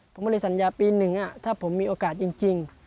ผมก็เลยสัญญาปี๑ถ้าผมมีโอกาสจริง